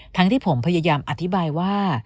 ที่ผมพยายามอธิบายว่า